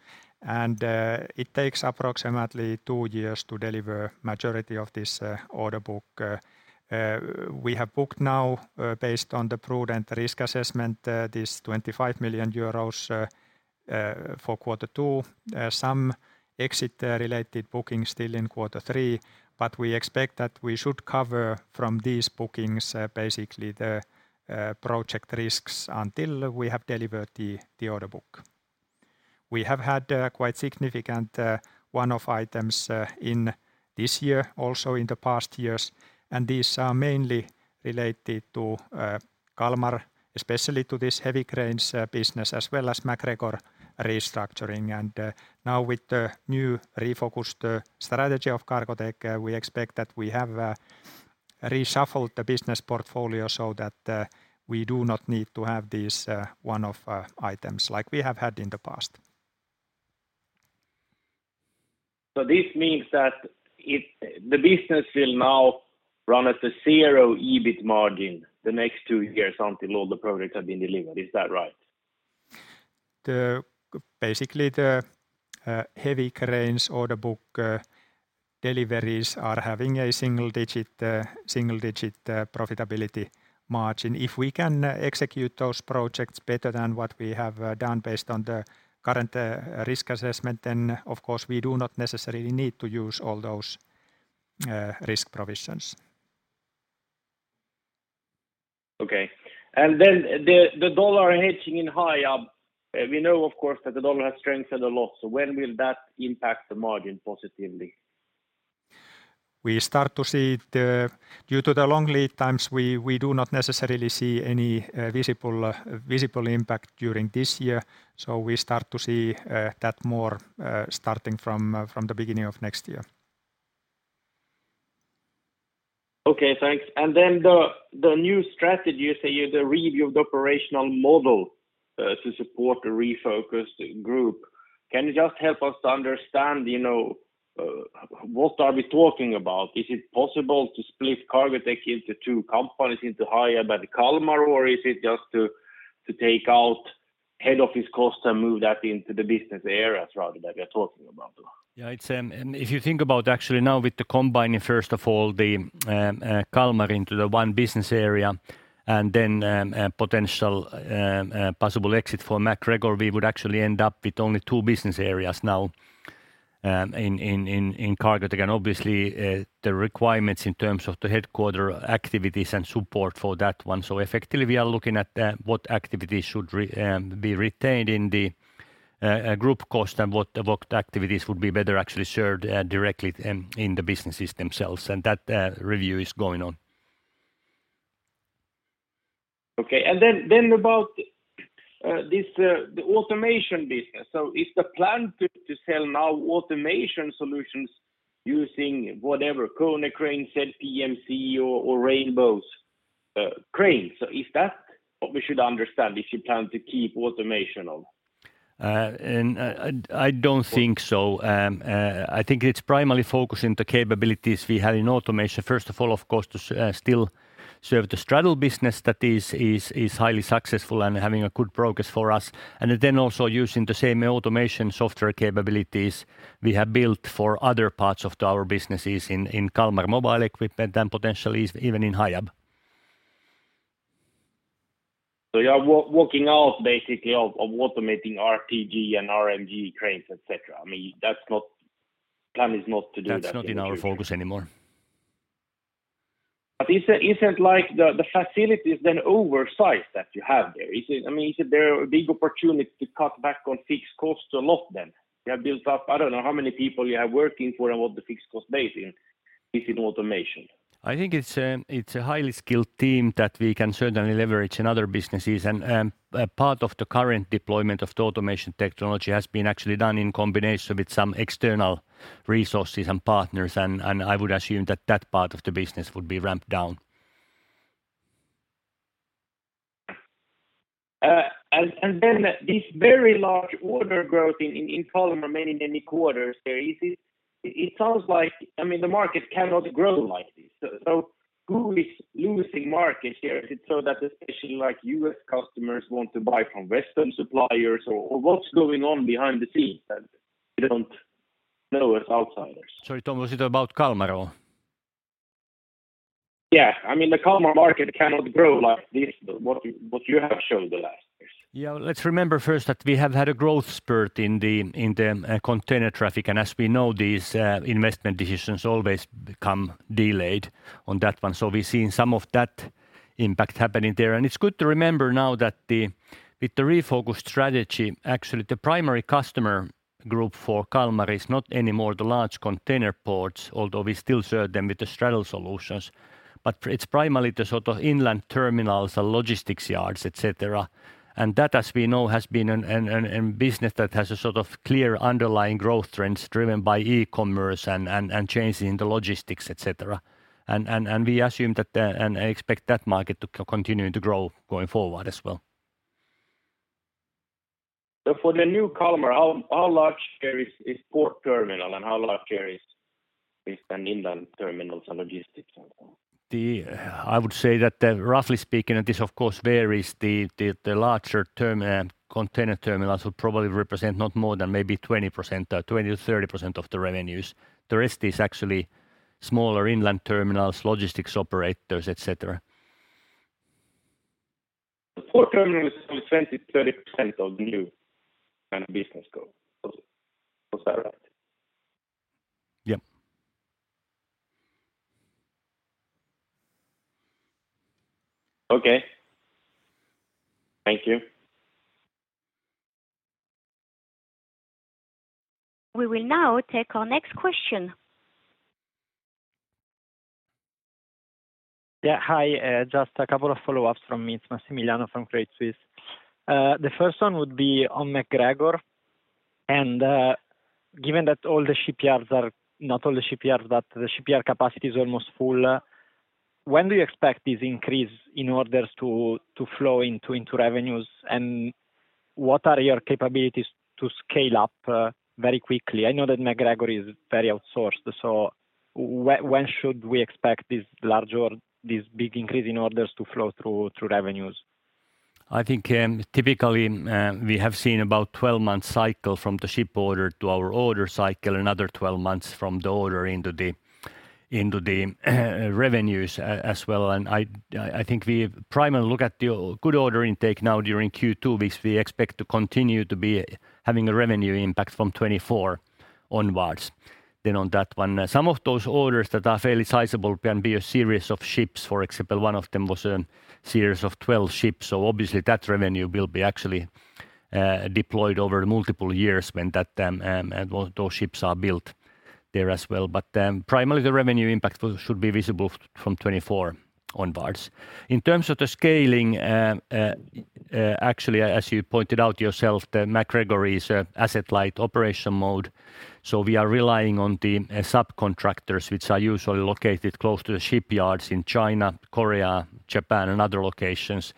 It takes approximately two years to deliver majority of this order book. We have booked now, based on the prudent risk assessment, this 25 million euros for quarter two. Some exit related bookings still in quarter three, but we expect that we should cover from these bookings basically the project risks until we have delivered the order book. We have had quite significant one-off items in this year, also in the past years, and these are mainly related to Kalmar, especially to this heavy cranes business as well as MacGregor restructuring. Now with the new refocused strategy of Cargotec, we expect that we have reshuffled the business portfolio so that we do not need to have these one-off items like we have had in the past. This means that the business will now run at a zero EBIT margin the next two years until all the projects have been delivered. Is that right? Basically, the heavy cranes order book, deliveries are having a single-digit profitability margin. If we can execute those projects better than what we have done based on the current risk assessment, then of course we do not necessarily need to use all those risk provisions. Okay. Then the dollar hedging in Hiab. We know, of course, that the dollar has strengthened a lot. When will that impact the margin positively? Due to the long lead times, we do not necessarily see any visible impact during this year. We start to see that more starting from the beginning of next year. Okay, thanks. Then the new strategy, say, the review of the operational model to support the refocused group. Can you just help us to understand, you know, what are we talking about? Is it possible to split Cargotec into two companies, into Hiab and Kalmar? Or is it just to take out head office cost and move that into the business areas rather than we are talking about? Yeah. It's if you think about actually now with the combining, first of all, the Kalmar into the one business area and then a potential possible exit for MacGregor, we would actually end up with only two business areas now in Cargotec. Obviously, the requirements in terms of the headquarters activities and support for that one. Effectively, we are looking at what activities should be retained in the group cost and what activities would be better actually served directly in the businesses themselves. That review is going on. Okay. Then about this, the automation business. Is the plan to sell now automation solutions using whatever Konecranes, ZPMC or Rainbow's cranes? Is that what we should understand, if you plan to keep automation on? I don't think so. I think it's primarily focused in the capabilities we have in automation. First of all, of course, to still serve the straddle business that is highly successful and having a good progress for us. Also using the same automation software capabilities we have built for other parts of our businesses in Kalmar mobile equipment and potentially even in Hiab. You are working on the basics of automating RTG and RMG cranes, et cetera. I mean, that's not the plan. The plan is not to do that in the future. That's not in our focus anymore. Aren't the facilities that you have there oversized? I mean, is there a big opportunity to cut back on fixed costs a lot then? You have built up, I don't know how many people you have working for and what the fixed cost base is in automation. I think it's a highly skilled team that we can certainly leverage in other businesses. A part of the current deployment of the automation technology has been actually done in combination with some external resources and partners. I would assume that part of the business would be ramped down. this very large order growth in Kalmar many quarters there, is it sounds like, I mean, the market cannot grow like this. Who is losing market share? Is it so that especially like U.S. customers want to buy from Western suppliers or what's going on behind the scenes that we don't know as outsiders? Sorry, Tom, was it about Kalmar or? Yeah. I mean, the Kalmar market cannot grow like this, what you have shown the last years. Yeah. Let's remember first that we have had a growth spurt in the container traffic. As we know, these investment decisions always become delayed on that one. We're seeing some of that impact happening there. It's good to remember now that with the refocused strategy, actually the primary customer group for Kalmar is not any more the large container ports, although we still serve them with the straddle solutions, but it's primarily the sort of inland terminals or logistics yards, et cetera. That, as we know, has been a business that has a sort of clear underlying growth trends driven by e-commerce and changing the logistics, et cetera. We assume that and expect that market to continue to grow going forward as well. For the new Kalmar, how large share is port terminal and how large share is an inland terminals and logistics and so on? I would say that, roughly speaking, and this of course varies, the larger terminals would probably represent not more than maybe 20%, 20%-30% of the revenues. The rest is actually smaller inland terminals, logistics operators, et cetera. The port terminal is only 20%-30% of new kind of business growth. Was that right? Yeah. Okay. Thank you. We will now take our next question. Hi. Just a couple of follow-ups from me. It's Massimiliano from Credit Suisse. The first one would be on MacGregor. Given that the shipyard capacity is almost full, when do you expect this increase in orders to flow into revenues? What are your capabilities to scale up very quickly? I know that MacGregor is very outsourced, so when should we expect this big increase in orders to flow through revenues? I think typically we have seen about 12-month cycle from the ship order to our order cycle, another 12-months from the order into the revenues as well. I think we primarily look at the good order intake now during Q2, which we expect to continue to be having a revenue impact from 2024 onwards. On that one, some of those orders that are fairly sizable can be a series of ships. For example, one of them was a series of 12 ships, so obviously that revenue will be actually deployed over multiple years when those ships are built there as well. Primarily the revenue impact should be visible from 2024 onwards. In terms of the scaling, actually as you pointed out yourself, the MacGregor is an asset-light operation mode, so we are relying on the subcontractors which are usually located close to the shipyards in China, Korea, Japan and other locations.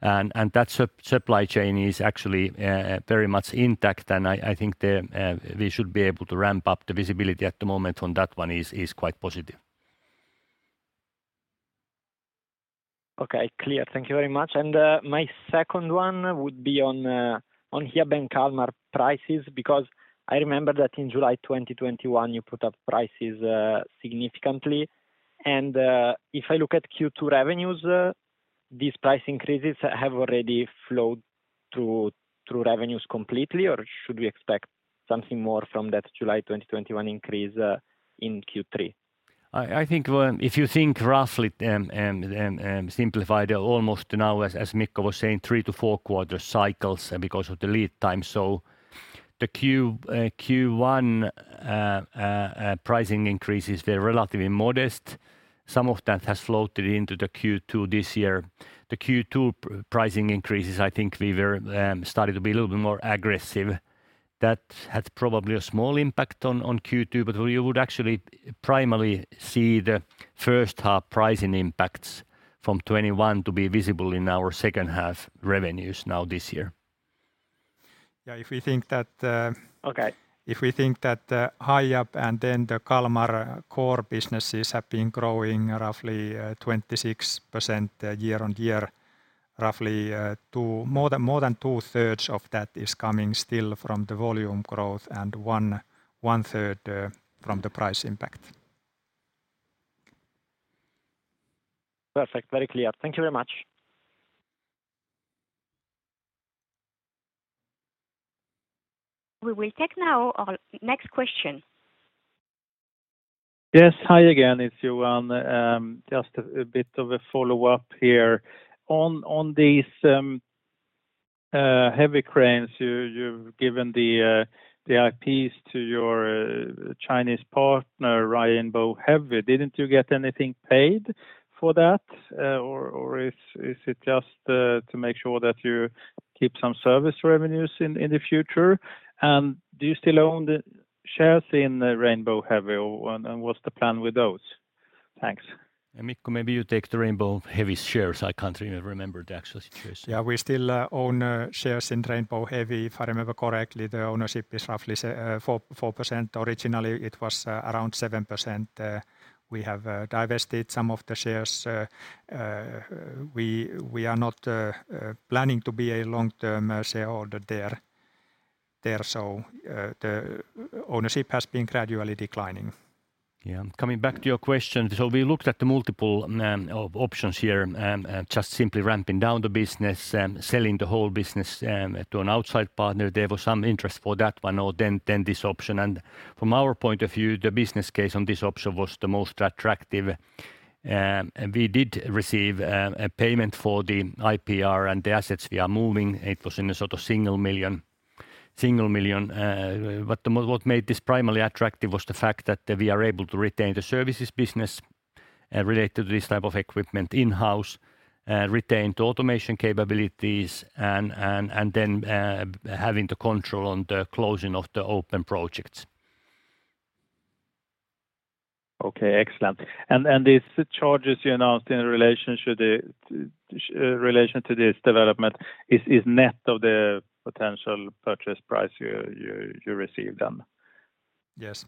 That supply chain is actually very much intact, and I think we should be able to ramp up. The visibility at the moment on that one is quite positive. Okay. Clear. Thank you very much. My second one would be on Hiab and Kalmar prices, because I remember that in July 2021, you put up prices significantly. If I look at Q2 revenues, these price increases have already flowed through revenues completely, or should we expect something more from that July 2021 increase in Q3? I think if you think roughly simplified almost now as Mikko was saying three-four quarter cycles because of the lead time. The Q1 pricing increases, they're relatively modest. Some of that has floated into the Q2 this year. The Q2 pricing increases, I think we were starting to be a little bit more aggressive. That had probably a small impact on Q2, but we would actually primarily see the first half pricing impacts from 2021 to be visible in our second half revenues now this year. Yeah, if we think that. Okay If we think that Hiab and then the Kalmar core businesses have been growing roughly 26% year-on-year, roughly, more than two-thirds of that is coming still from the volume growth and one-third from the price impact. Perfect. Very clear. Thank you very much. We will take now our next question. Yes. Hi again, it's Johan. Just a bit of a follow-up here. On these heavy cranes, you've given the IPs to your Chinese partner, Rainbow Heavy. Didn't you get anything paid for that? Or is it just to make sure that you keep some service revenues in the future? Do you still own the shares in Rainbow Heavy, and what's the plan with those? Thanks. Mikko, maybe you take the Rainbow Heavy shares. I can't remember the actual situation. Yeah, we still own shares in Rainbow Heavy. If I remember correctly, the ownership is roughly 4%. Originally, it was around 7%. We have divested some of the shares. We are not planning to be a long-term shareholder there. The ownership has been gradually declining. Coming back to your question. We looked at the multitude of options here: just simply ramping down the business, selling the whole business to an outside partner, there was some interest for that one, or then this option. From our point of view, the business case on this option was the most attractive. We did receive a payment for the IPR and the assets we are moving. It was in the sort of 1 million. What made this primarily attractive was the fact that we are able to retain the services business related to this type of equipment in-house, retain the automation capabilities and then having the control on the closing of the open projects. Okay. Excellent. These charges you announced in relation to this development is net of the potential purchase price you received then? Yes.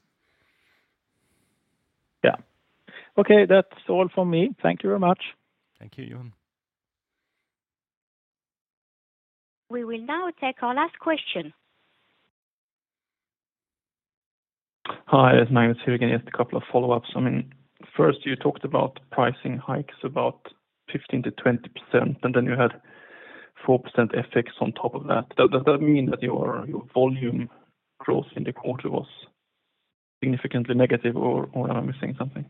Yeah. Okay. That's all from me. Thank you very much. Thank you, Johan. We will now take our last question. Hi, it's Magnus here again. Just a couple of follow-ups. I mean, first, you talked about pricing hikes about 15%-20%, and then you had 4% FX on top of that. Does that mean that your volume growth in the quarter was significantly negative or am I missing something?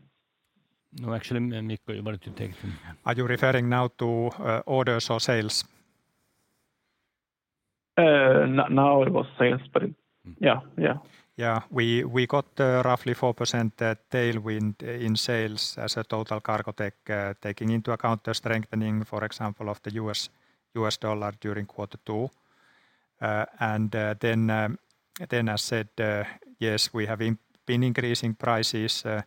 No, actually, Mikko, you wanted to take- Are you referring now to, orders or sales? Now it was sales, but yeah. Yeah. We got roughly 4% tailwind in sales as a total for Cargotec, taking into account the strengthening, for example, of the U.S. dollar during quarter two. As said, yes, we have been increasing prices in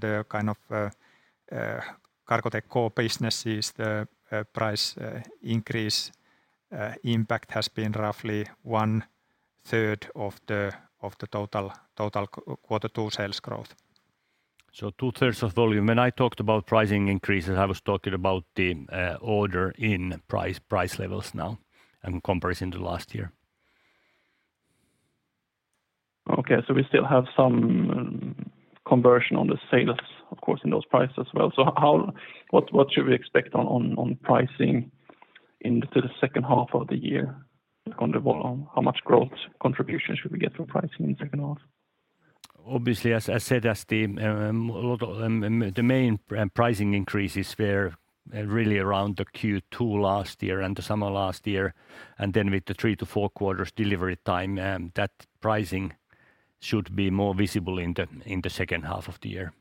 the Cargotec core businesses. The price increase impact has been roughly one-third of the total quarter two sales growth. Two-thirds of volume. When I talked about pricing increases, I was talking about the order intake price levels now in comparison to last year. Okay. We still have some conversion on the sales, of course, in those prices as well. What should we expect on pricing into the second half of the year on the volume, how much growth contributions should we get from pricing in second half? Obviously, as said, a lot of the main pricing increases were really around the Q2 last year and the summer last year. Then with the three-four quarters delivery time, that pricing should be more visible in the second half of the year.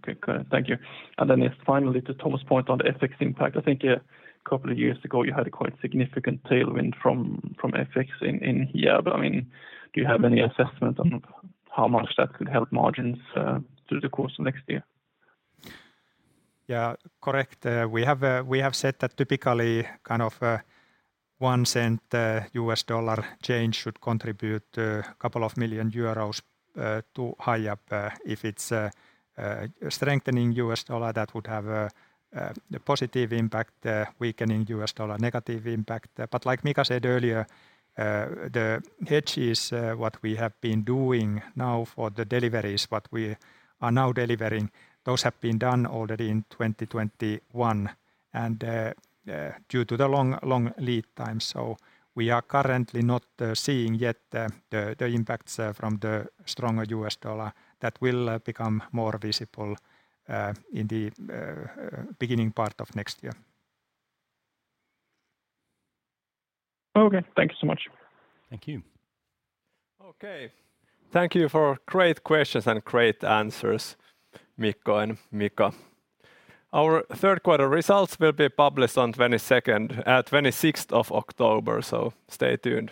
Okay. Good. Thank you. Just finally to Tuomas' point on the FX impact. I think a couple of years ago you had a quite significant tailwind from FX in here. I mean, do you have any assessment on how much that could help margins through the course of next year? Yeah. Correct. We have said that typically kind of 1 cent US dollar change should contribute couple of million EUR to Hiab. If it's strengthening U.S. dollar, that would have a positive impact. Weakening U.S. dollar, negative impact. Like Mika said earlier, the hedge is what we have been doing now for the deliveries, what we are now delivering. Those have been done already in 2021 and due to the long lead time. We are currently not seeing yet the impacts from the stronger U.S. dollar that will become more visible in the beginning part of next year. Okay. Thank you so much. Thank you. Okay. Thank you for great questions and great answers, Mikko and Mika. Our third quarter results will be published on 26th of October, so stay tuned.